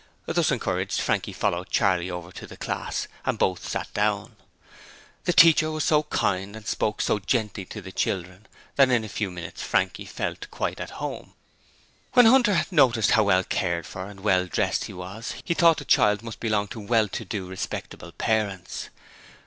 Thus encouraged, Frankie followed Charley over to the class, and both sat down. The teacher was so kind and spoke so gently to the children that in a few minutes Frankie felt quite at home. When Hunter noticed how well cared for and well dressed he was he thought the child must belong to well to do, respectable parents.